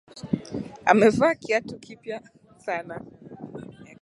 Amevaa kiatu kipya sana.